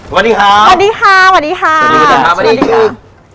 สวัสดีค่ะสวัสดีค่ะสวัสดีค่ะสวัสดีค่ะสวัสดีค่ะสวัสดีค่ะสวัสดีค่ะ